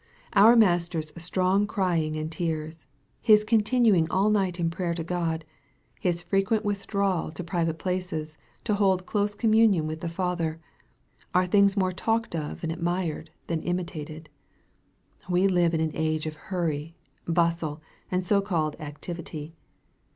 Our Master's strong crying and tears His continuing all night in prayer to God Hia frequent withdrawal to private places, to hold close com munion with the Father, are things more talked of and admired than imitated. We live in an age of hurry, bustle, and so called activity.